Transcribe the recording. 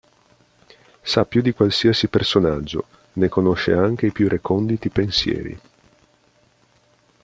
Sa più di qualsiasi personaggio, ne conosce anche i più reconditi pensieri.